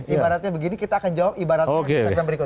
ibaratnya begini kita akan jawab ibaratnya di segmen berikut